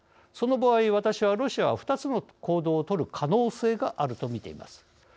その場合、私はロシアは２つの行動を取る可能性があるとみています。